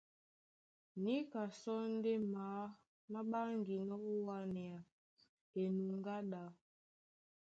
Níka sɔ́ ndé maá má ɓáŋginɔ́ ó wánea enuŋgá ɗá.